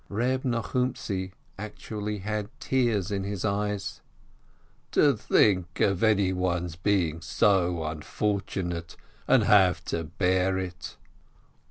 Reb Nochumtzi actually had tears in his eyes, "To think of anyone's being so unfortunate — and to have to bear it